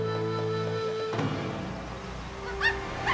kamu masih hebat kan